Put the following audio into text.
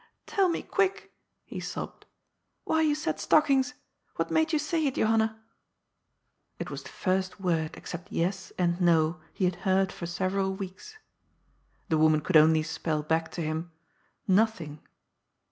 " Tell me quick," he sobbed, " why you said stockings. What made you say it, Johanna ?" It was the first word except " Yes " and " No " he had heard for several weeks. The woman could only spell back to him " Nothing."